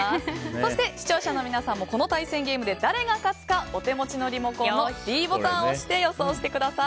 そして、視聴者の皆さんもこの対戦ゲームで誰が勝つかお手持ちのリモコンのｄボタンを押して予想してください。